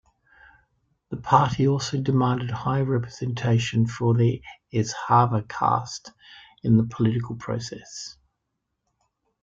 The party also demanded higher representation for the Ezhava caste in the political process.